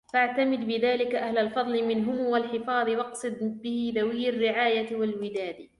فَاعْتَمِدْ بِذَلِكَ أَهْلَ الْفَضْلِ مِنْهُمْ وَالْحِفَاظِ وَاقْصِدْ بِهِ ذَوِي الرِّعَايَةِ وَالْوِدَادِ